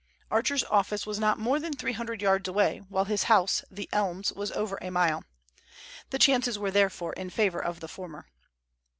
Archer's office was not more than three hundred yards away, while his house, The Elms, was over a mile. The chances were therefore in favor of the former.